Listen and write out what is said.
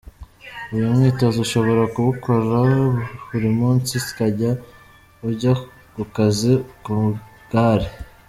Uyu mwitozo ushobora kuwukora buri munsi, ukajya ujya ku kazi ku igare.